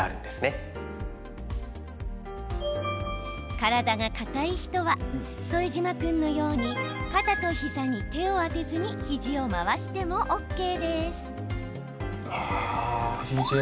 体がかたい人は、副島君のように肩と膝に手を当てずに肘を回してもＯＫです。